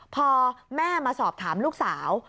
พอแม่มาสอบถามลูกสาว